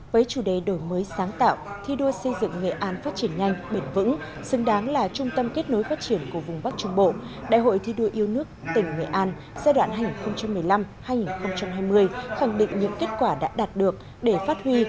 với chủ đề đổi mới sáng tạo thi đua xây dựng nghệ an phát triển nhanh bền vững xứng đáng là trung tâm kết nối phát triển của vùng bắc trung bộ đại hội thi đua yêu nước tỉnh nghệ an giai đoạn hành một mươi năm hai nghìn hai mươi khẳng định những kết quả đã đạt được để phát huy